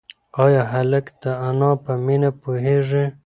ایا هلک د انا په مینه پوهېږي؟